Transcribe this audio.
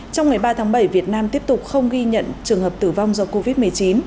trong ngày ba tháng bảy việt nam tiếp tục không ghi nhận trường hợp tử vong do covid một mươi chín